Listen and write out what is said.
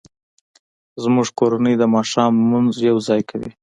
زموږ کورنۍ د ماښام لمونځ یوځای کوي